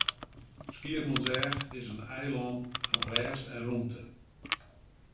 Skiermûntseach is in eilân fan rêst en rûmte.